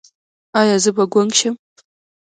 ایا زه به ګونګ شم؟